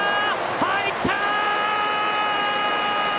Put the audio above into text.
入った！